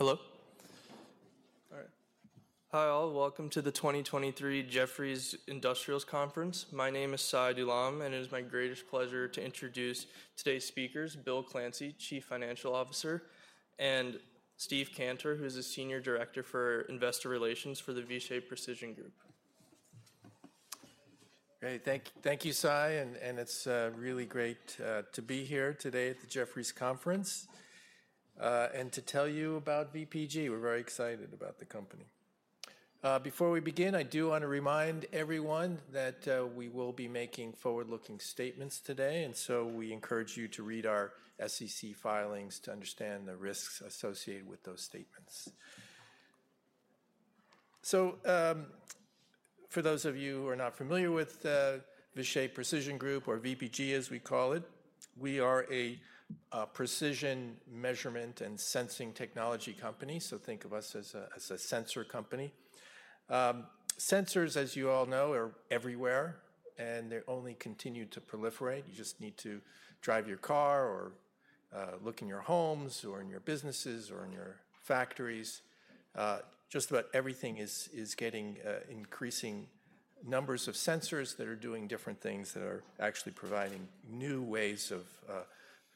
Hello? All right. Hi, all. Welcome to the 2023 Jefferies Industrials Conference. My name is Sai Dulam, and it is my greatest pleasure to introduce today's speakers, Bill Clancy, Chief Financial Officer, and Steve Cantor, who's the Senior Director for Investor Relations for the Vishay Precision Group. Great. Thank you, Sai, and it's really great to be here today at the Jefferies Conference and to tell you about VPG. We're very excited about the company. Before we begin, I do wanna remind everyone that we will be making forward-looking statements today, and so we encourage you to read our SEC filings to understand the risks associated with those statements. So, for those of you who are not familiar with Vishay Precision Group or VPG, as we call it, we are a precision measurement and sensing technology company, so think of us as a sensor company. Sensors, as you all know, are everywhere, and they only continue to proliferate. You just need to drive your car or look in your homes or in your businesses or in your factories. Just about everything is getting increasing numbers of sensors that are doing different things, that are actually providing new ways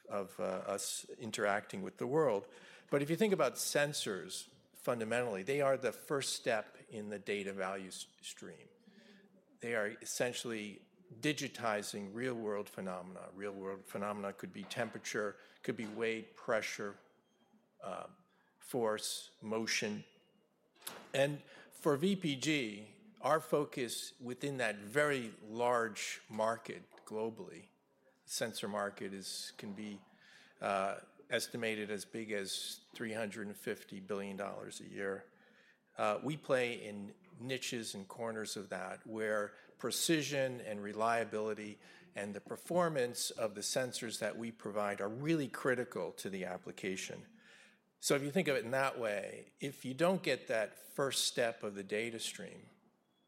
of us interacting with the world. But if you think about sensors, fundamentally, they are the first step in the data value stream. They are essentially digitizing real-world phenomena. Real-world phenomena could be temperature, could be weight, pressure, force, motion. And for VPG, our focus within that very large market globally, sensor market can be estimated as big as $350 billion a year. We play in niches and corners of that, where precision and reliability and the performance of the sensors that we provide are really critical to the application. So if you think of it in that way, if you don't get that first step of the data stream,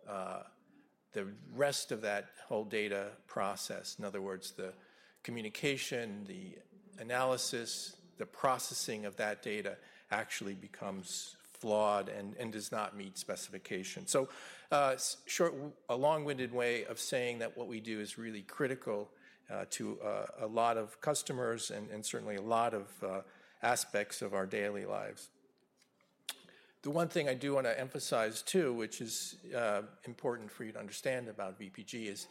the rest of that whole data process, in other words, the communication, the analysis, the processing of that data, actually becomes flawed and does not meet specification. So, a long-winded way of saying that what we do is really critical to a lot of customers and certainly a lot of aspects of our daily lives. The one thing I do wanna emphasize, too, which is important for you to understand about VPG, is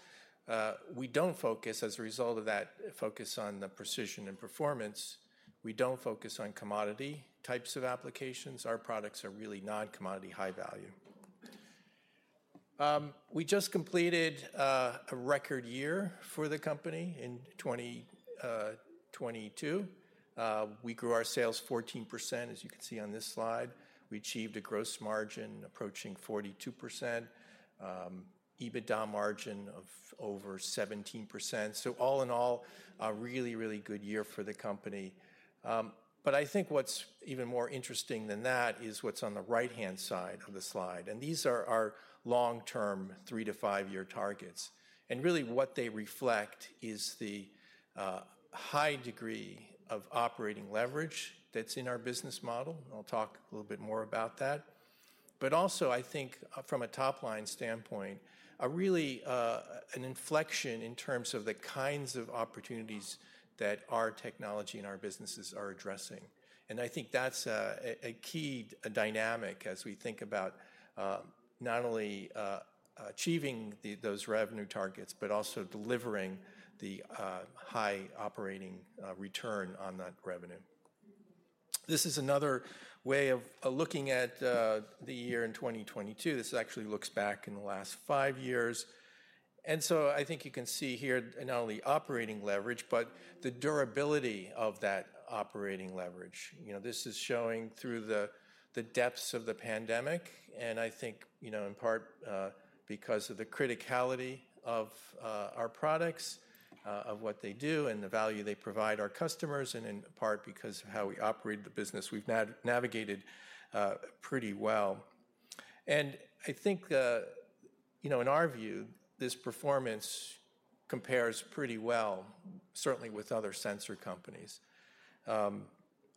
we don't focus as a result of that focus on the precision and performance; we don't focus on commodity types of applications. Our products are really non-commodity, high value. We just completed a record year for the company in 2022. We grew our sales 14%, as you can see on this slide. We achieved a gross margin approaching 42%, EBITDA margin of over 17%. So all in all, a really, really good year for the company. But I think what's even more interesting than that is what's on the right-hand side of the slide, and these are our long-term, three to five-year targets. And really, what they reflect is the high degree of operating leverage that's in our business model, and I'll talk a little bit more about that. But also, I think, from a top-line standpoint, a really, an inflection in terms of the kinds of opportunities that our technology and our businesses are addressing. And I think that's a key dynamic as we think about not only achieving those revenue targets, but also delivering the high operating return on that revenue. This is another way of looking at the year in 2022. This actually looks back in the last five years. And so I think you can see here not only operating leverage, but the durability of that operating leverage. You know, this is showing through the depths of the pandemic, and I think, you know, in part because of the criticality of our products of what they do and the value they provide our customers, and in part because of how we operate the business, we've navigated pretty well. And I think, you know, in our view, this performance compares pretty well, certainly with other sensor companies.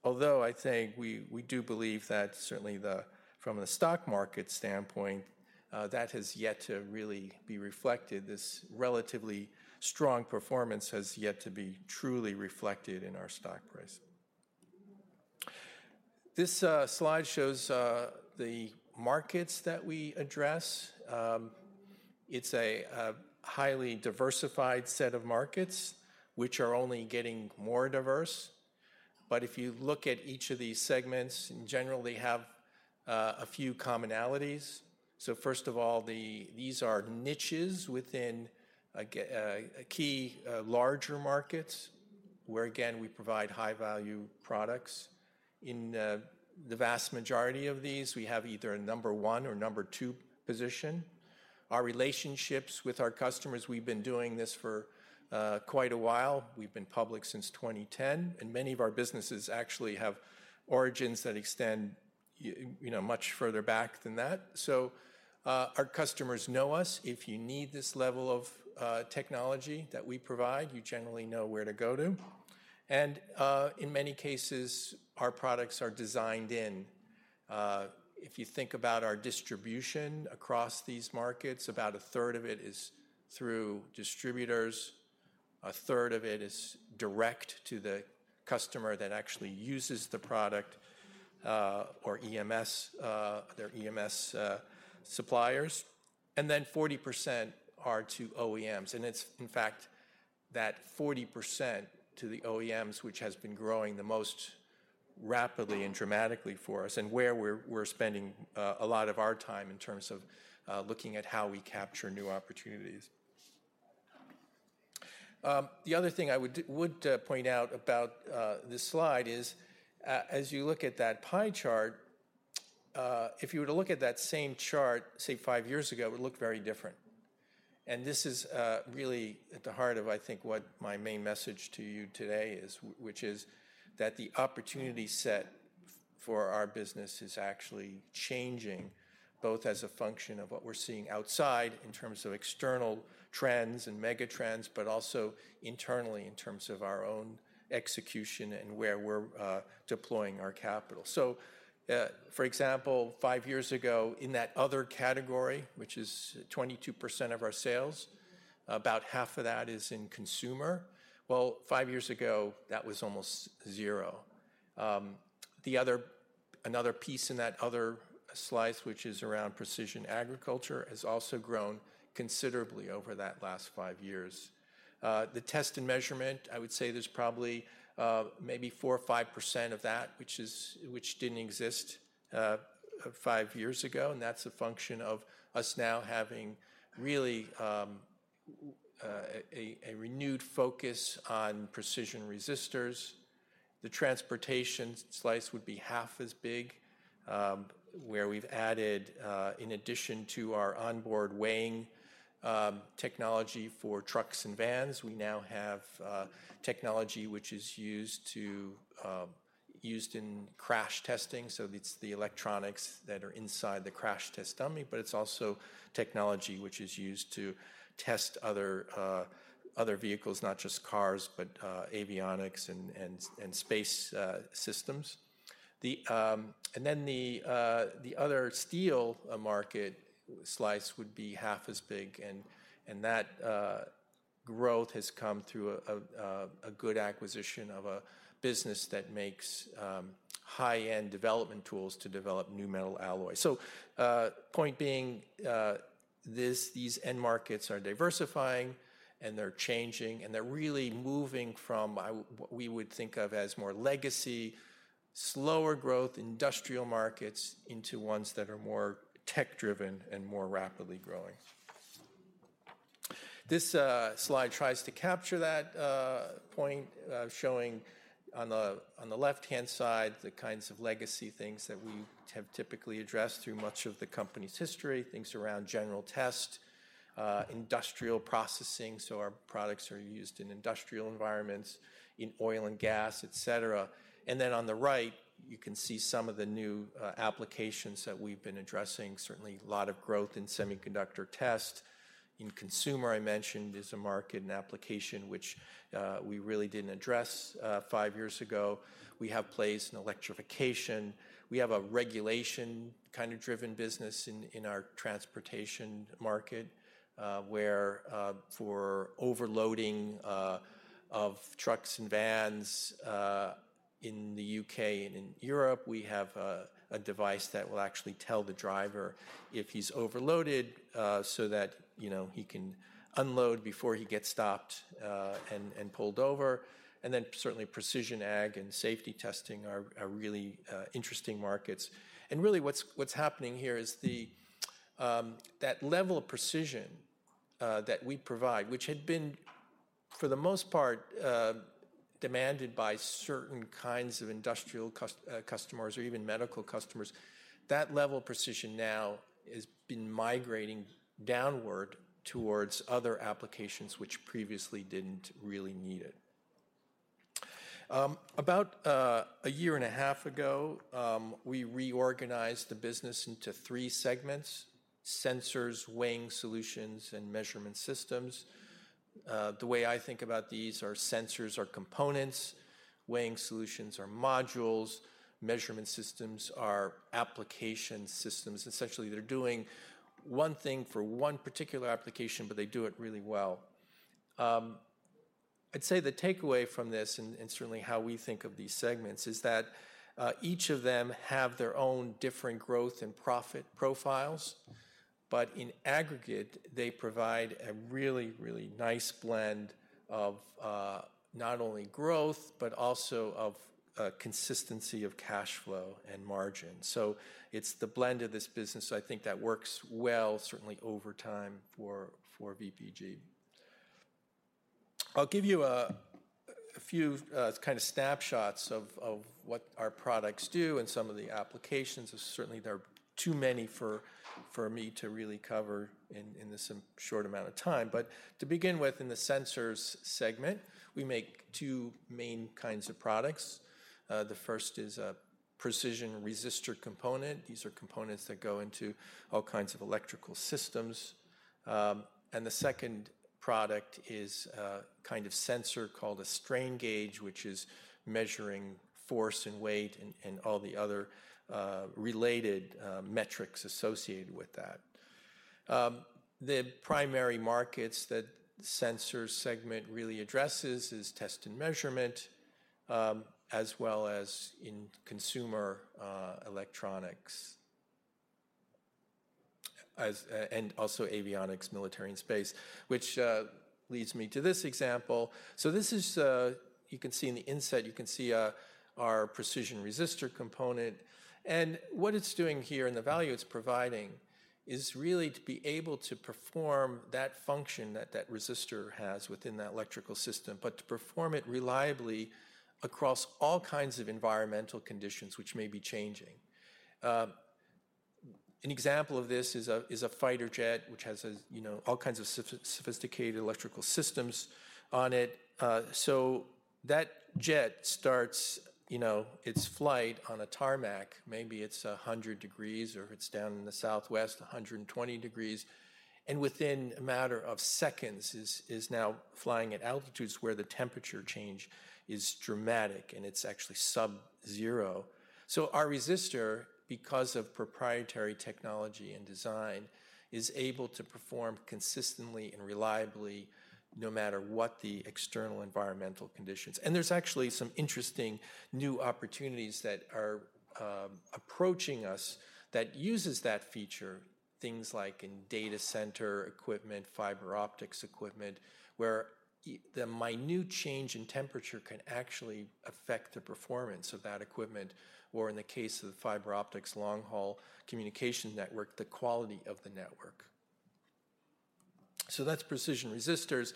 Although I'd say we do believe that certainly the—from the stock market standpoint, that has yet to really be reflected. This relatively strong performance has yet to be truly reflected in our stock price. This slide shows the markets that we address. It's a highly diversified set of markets, which are only getting more diverse. But if you look at each of these segments, in general, they have a few commonalities. So first of all, these are niches within a key larger markets, where, again, we provide high-value products. In the vast majority of these, we have either a number one or number two position. Our relationships with our customers, we've been doing this for quite a while. We've been public since 2010, and many of our businesses actually have origins that extend, you know, much further back than that. So, our customers know us. If you need this level of technology that we provide, you generally know where to go to... And, in many cases, our products are designed in. If you think about our distribution across these markets, about a third of it is through distributors, a third of it is direct to the customer that actually uses the product or EMS, their EMS suppliers, and then 40% are to OEMs. It's, in fact, that 40% to the OEMs, which has been growing the most rapidly and dramatically for us, and where we're spending a lot of our time in terms of looking at how we capture new opportunities. The other thing I would point out about this slide is, as you look at that pie chart, if you were to look at that same chart, say, five years ago, it would look very different. And this is really at the heart of, I think, what my main message to you today is, which is that the opportunity set for our business is actually changing, both as a function of what we're seeing outside in terms of external trends and megatrends, but also internally in terms of our own execution and where we're deploying our capital. For example, five years ago, in that other category, which is 22% of our sales, about half of that is in consumer. Well, five years ago, that was almost zero. Another piece in that other slice, which is around precision agriculture, has also grown considerably over that last five years. The test and measurement, I would say there's probably maybe 4% or 5% of that, which didn't exist five years ago, and that's a function of us now having really a renewed focus on precision resistors. The transportation slice would be half as big, where we've added in addition to our onboard weighing technology for trucks and vans, we now have technology which is used in crash testing. So it's the electronics that are inside the crash test dummy, but it's also technology which is used to test other vehicles, not just cars, but avionics and space systems. The And then the other steel market slice would be half as big, and that growth has come through a good acquisition of a business that makes high-end development tools to develop new metal alloys. So, point being, this—these end markets are diversifying, and they're changing, and they're really moving from what we would think of as more legacy, slower growth industrial markets into ones that are more tech-driven and more rapidly growing. This slide tries to capture that point, showing on the left-hand side, the kinds of legacy things that we have typically addressed through much of the company's history, things around general test, industrial processing, so our products are used in industrial environments, in oil and gas, et cetera. And then on the right, you can see some of the new applications that we've been addressing. Certainly, a lot of growth in semiconductor test. In consumer, I mentioned, is a market and application which we really didn't address five years ago. We have a place in electrification. We have a regulation kind of driven business in our transportation market, where for overloading of trucks and vans in the UK and in Europe, we have a device that will actually tell the driver if he's overloaded, so that, you know, he can unload before he gets stopped and pulled over. And then certainly, precision ag and safety testing are really interesting markets. And really, what's happening here is that level of precision that we provide, which had been, for the most part, demanded by certain kinds of industrial customers or even medical customers, that level of precision now has been migrating downward towards other applications which previously didn't really need it. About a year and a half ago, we reorganized the business into three segments: sensors, weighing solutions, and measurement systems. The way I think about these are sensors are components, weighing solutions are modules, measurement systems are application systems. Essentially, they're doing one thing for one particular application, but they do it really well. I'd say the takeaway from this, and certainly how we think of these segments, is that each of them have their own different growth and profit profiles, but in aggregate, they provide a really, really nice blend of not only growth, but also of consistency of cash flow and margin. So it's the blend of this business, I think, that works well, certainly over time, for VPG. I'll give you a few kind of snapshots of what our products do and some of the applications. Certainly, there are too many for me to really cover in this short amount of time. But to begin with, in the sensors segment, we make two main kinds of products. The first is a precision resistor component. These are components that go into all kinds of electrical systems. And the second product is a kind of sensor called a strain gauge, which is measuring force and weight and all the other related metrics associated with that. The primary markets that sensors segment really addresses is test and measurement, as well as in consumer electronics. And also avionics, military, and space, which leads me to this example. So this is, you can see in the inset, you can see our precision resistor component. And what it's doing here and the value it's providing is really to be able to perform that function that that resistor has within that electrical system, but to perform it reliably across all kinds of environmental conditions which may be changing. An example of this is a fighter jet, which has a, you know, all kinds of sophisticated electrical systems on it. So that jet starts, you know, its flight on a tarmac. Maybe it's 100 degrees, or if it's down in the Southwest, 120 degrees, and within a matter of seconds, is now flying at altitudes where the temperature change is dramatic, and it's actually sub-zero. So our resistor, because of proprietary technology and design, is able to perform consistently and reliably, no matter what the external environmental conditions. There's actually some interesting new opportunities that are approaching us that uses that feature, things like in data center equipment, fiber optics equipment, where the minute change in temperature can actually affect the performance of that equipment, or in the case of the fiber optics long-haul communication network, the quality of the network. So that's precision resistors.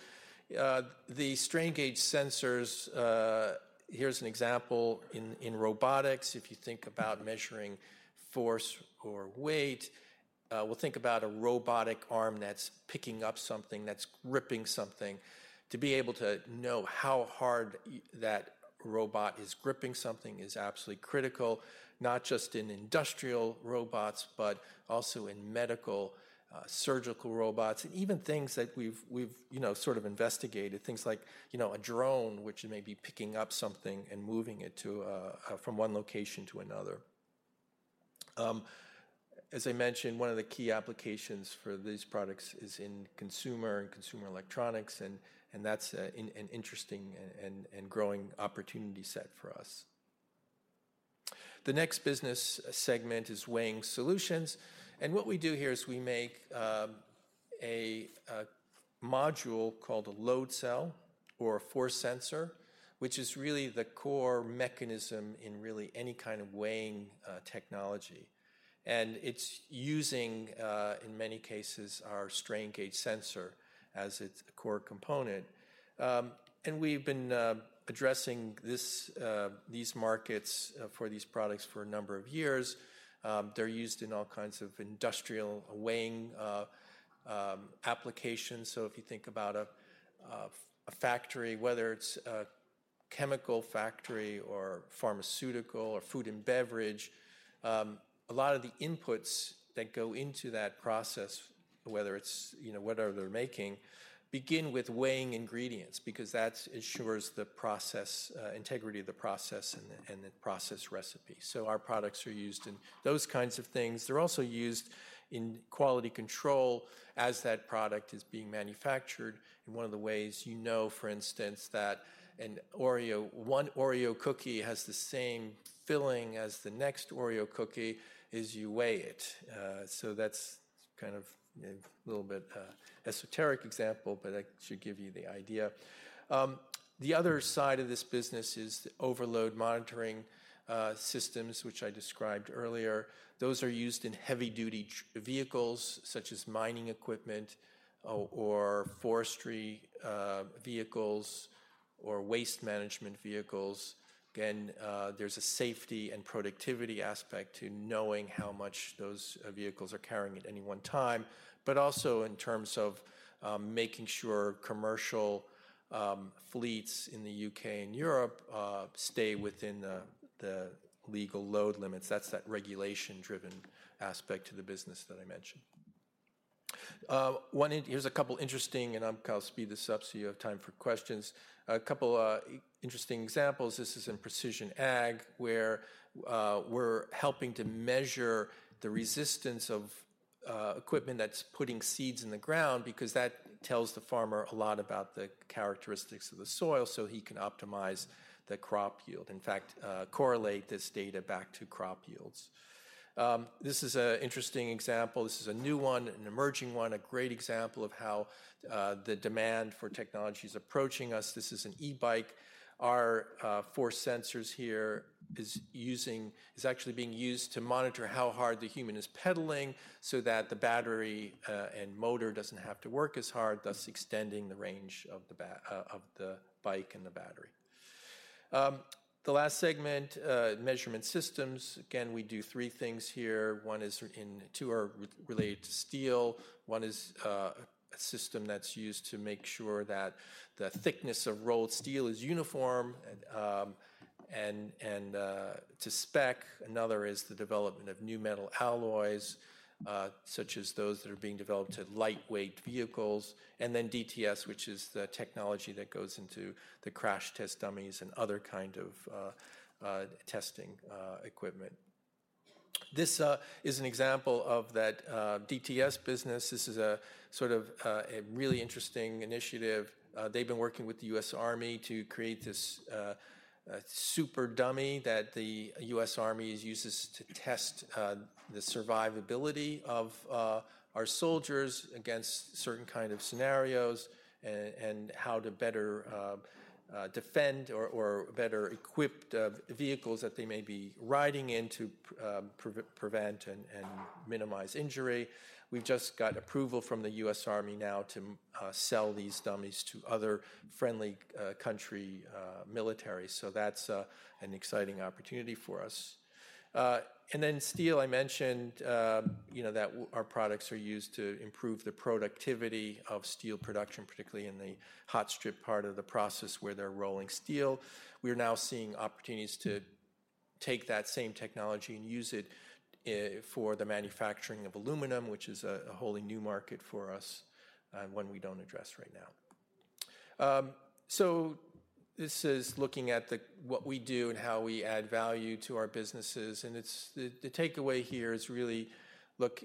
The strain gauge sensors, here's an example in robotics. If you think about measuring force or weight, we'll think about a robotic arm that's picking up something, that's gripping something. To be able to know how hard that robot is gripping something is absolutely critical, not just in industrial robots, but also in medical, surgical robots, and even things that we've you know sort of investigated, things like you know a drone, which may be picking up something and moving it to from one location to another. As I mentioned, one of the key applications for these products is in consumer and consumer electronics, and that's an interesting and growing opportunity set for us. The next business segment is weighing solutions, and what we do here is we make a module called a load cell or a force sensor, which is really the core mechanism in really any kind of weighing technology. It's using, in many cases, our strain gauge sensor as its core component. And we've been addressing these markets for these products for a number of years. They're used in all kinds of industrial weighing applications. So if you think about a factory, whether it's a chemical factory or pharmaceutical or food and beverage, a lot of the inputs that go into that process, whether it's, you know, whatever they're making, begin with weighing ingredients, because that ensures the process integrity of the process and the process recipe. So our products are used in those kinds of things. They're also used in quality control as that product is being manufactured. And one of the ways you know, for instance, that an Oreo... One Oreo cookie has the same filling as the next Oreo cookie, is you weigh it. So that's kind of a little bit esoteric example, but that should give you the idea. The other side of this business is the overload monitoring systems, which I described earlier. Those are used in heavy-duty vehicles, such as mining equipment or forestry vehicles, or waste management vehicles. Again, there's a safety and productivity aspect to knowing how much those vehicles are carrying at any one time, but also in terms of making sure commercial fleets in the UK and Europe stay within the legal load limits. That's that regulation-driven aspect to the business that I mentioned. Here's a couple interesting, and I'll speed this up, so you have time for questions. A couple interesting examples. This is in precision ag, where we're helping to measure the resistance of equipment that's putting seeds in the ground because that tells the farmer a lot about the characteristics of the soil, so he can optimize the crop yield. In fact, correlate this data back to crop yields. This is a interesting example. This is a new one, an emerging one, a great example of how the demand for technology is approaching us. This is an e-bike. Our force sensors here is actually being used to monitor how hard the human is pedaling so that the battery and motor doesn't have to work as hard, thus extending the range of the ba- of the bike and the battery... The last segment, measurement systems. Again, we do three things here. One is in-- two are related to steel. One is a system that's used to make sure that the thickness of rolled steel is uniform, and to spec. Another is the development of new metal alloys, such as those that are being developed to lightweight vehicles, and then DTS, which is the technology that goes into the crash test dummies and other kind of testing equipment. This is an example of that DTS business. This is a sort of a really interesting initiative. They've been working with the US Army to create this super dummy that the US Army uses to test the survivability of our soldiers against certain kind of scenarios and how to better defend or better equip the vehicles that they may be riding in to prevent and minimize injury. We've just got approval from the US Army now to sell these dummies to other friendly country military. So that's an exciting opportunity for us. And then steel, I mentioned, you know, that our products are used to improve the productivity of steel production, particularly in the hot strip part of the process where they're rolling steel. We are now seeing opportunities to take that same technology and use it for the manufacturing of aluminum, which is a wholly new market for us, one we don't address right now. So this is looking at what we do and how we add value to our businesses, and it's. The takeaway here is really, look,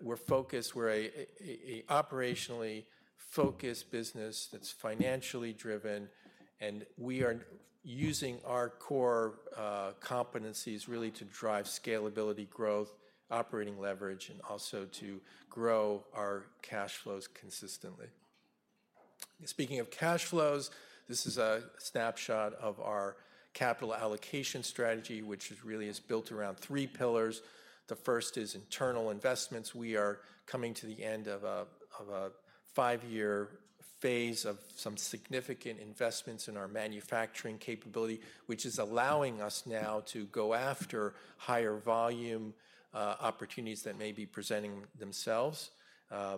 we're focused. We're a operationally focused business that's financially driven, and we are using our core competencies really to drive scalability, growth, operating leverage, and also to grow our cash flows consistently. Speaking of cash flows, this is a snapshot of our capital allocation strategy, which is really is built around three pillars. The first is internal investments. We are coming to the end of a five-year phase of some significant investments in our manufacturing capability, which is allowing us now to go after higher volume opportunities that may be presenting themselves.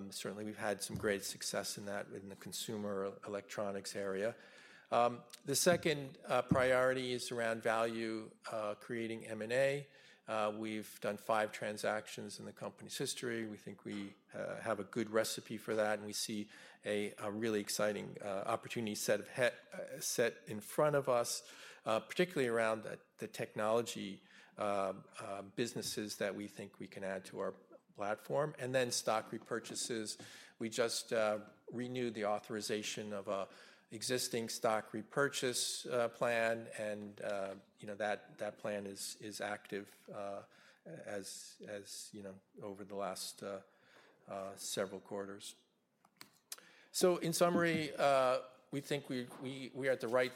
Certainly, we've had some great success in that in the consumer electronics area. The second priority is around value creating M&A. We've done five transactions in the company's history. We think we have a good recipe for that, and we see a really exciting opportunity set in front of us, particularly around the technology businesses that we think we can add to our platform. And then stock repurchases. We just renewed the authorization of an existing stock repurchase plan, and you know, that plan is active as you know over the last several quarters. So in summary, we think we are at the right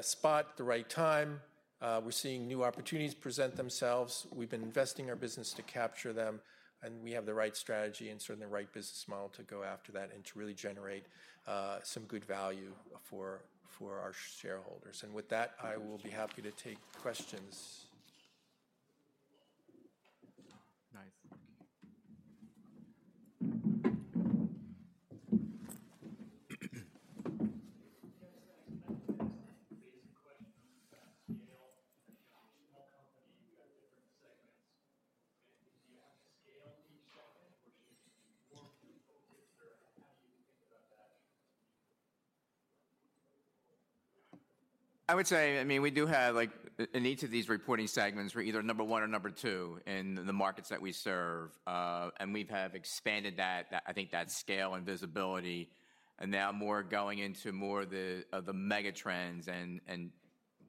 spot, the right time. We're seeing new opportunities present themselves. We've been investing our business to capture them, and we have the right strategy and certainly the right business model to go after that and to really generate some good value for our shareholders. And with that, I will be happy to take questions. Nice. I would say, I mean, we do have, like, in each of these reporting segments, we're either number one or number two in the markets that we serve. And we've expanded that, I think, that scale and visibility, and now more going into more of the mega trends and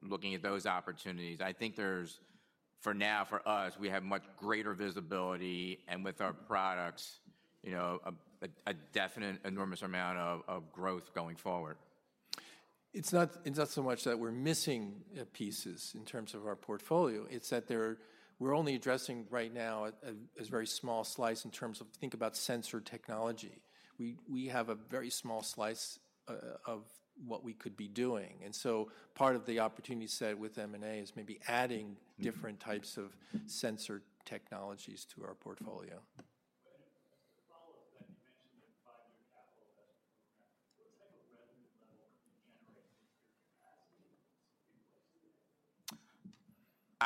looking at those opportunities. I think there's, for now, for us, we have much greater visibility, and with our products, you know, a definite enormous amount of growth going forward. It's not, it's not so much that we're missing pieces in terms of our portfolio. It's that we're only addressing right now a very small slice in terms of think about sensor technology. We, we have a very small slice of what we could be doing, and so part of the opportunity set with M&A is maybe adding different types of sensor technologies to our portfolio.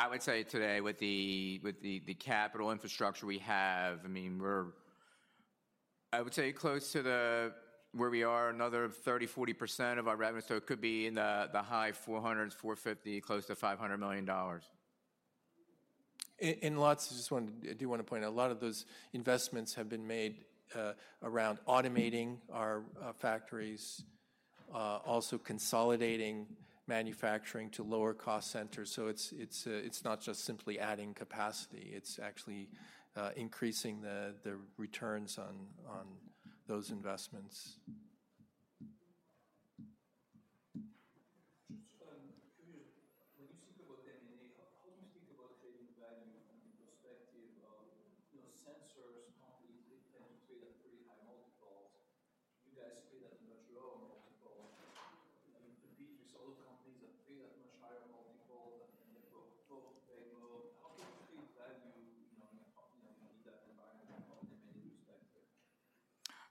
Well, to follow up that you mentioned the five-year capital investment program. What type of revenue level are you generating through capacity? I would say today, with the capital infrastructure we have, I mean, we're close to where we are, another 30%-40% of our revenue, so it could be in the high $400-450, close to $500 million. I just wanted, I do wanna point out, a lot of those investments have been made around automating our factories, also consolidating manufacturing to lower cost centers. So it's, it's, it's not just simply adding capacity; it's actually increasing the returns on those investments. Just,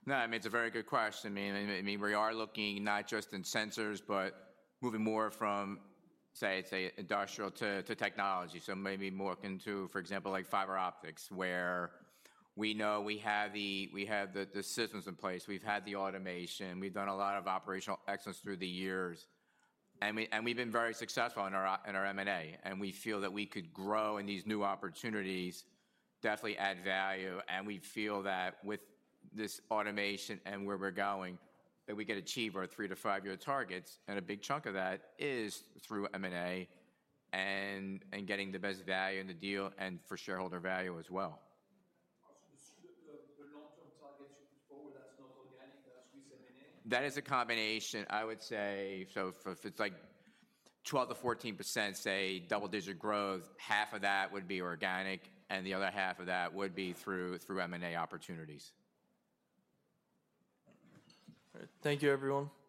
curious, when you think about M&A, how do you think about creating value from the perspective of, you know, sensors companies, they trade at pretty high multiples. You guys trade at a much lower multiple. I mean, the previous other companies that trade at much higher multiples, and they go, they move. How do you create value, you know, in a company like in that environment from an M&A perspective? No, I mean, it's a very good question. I mean, we are looking not just in sensors, but moving more from, say, industrial to technology. So maybe more into, for example, like fiber optics, where we know we have the systems in place, we've had the automation, we've done a lot of operational excellence through the years, and we've been very successful in our M&A, and we feel that we could grow in these new opportunities, definitely add value, and we feel that with this automation and where we're going, that we can achieve our three to five-year targets, and a big chunk of that is through M&A and getting the best value in the deal and for shareholder value as well. Also, the long-term targets you put forward, that's not organic, that's through M&A? That is a combination. I would say, so if it's like 12%-14%, say, double-digit growth, half of that would be organic, and the other half of that would be through M&A opportunities. All right. Thank you, everyone. Thanks. Thanks.